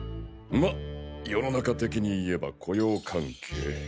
ま世の中的に言えば雇用関係。